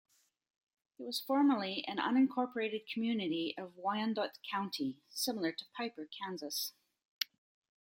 It was formerly an unincorporated community of Wyandotte County, similar to Piper, Kansas.